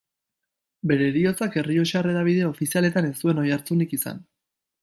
Bere heriotzak errioxar hedabide ofizialetan ez zuen oihartzunik izan.